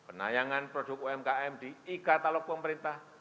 penayangan produk umkm di e katalog pemerintah